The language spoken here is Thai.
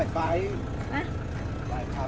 กินข้าวขอบคุณครับ